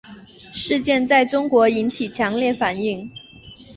事件在中国引起强烈反响。